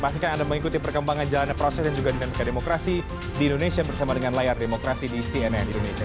pastikan anda mengikuti perkembangan jalannya proses dan juga dinamika demokrasi di indonesia bersama dengan layar demokrasi di cnn indonesia